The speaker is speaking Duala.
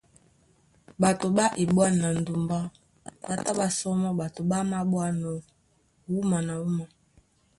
Ɓato ɓá eɓwân na ndumbá ɓá tá ɓá sɔmɔ́ ɓato ɓá maɓwánɔ̄ wúma na wúma.